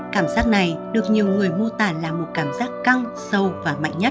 cảm giác này được nhiều người mô tả là một cảm giác căng sâu và mạnh nhất